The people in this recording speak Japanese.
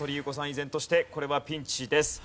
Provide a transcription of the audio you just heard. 依然としてこれはピンチです。